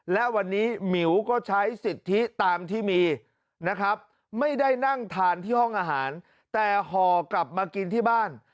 และวันนี้หมิวก็ใช้สิทธิตามที่มีนะครับไม่ได้นั่งทานที่ห้องอาหารแต่ห่อกลับมากินที่บ้าน